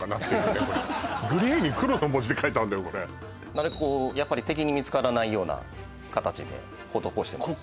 これなるべく敵に見つからないような形で施してます